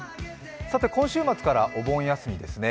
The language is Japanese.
今週末からお盆休みですね。